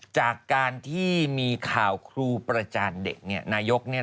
จากการที่มีข่าวครูประจานเด็กนายก